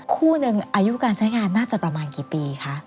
คู่หนึ่งอายุการใช้งานน่าจะประมาณกี่ปีคะ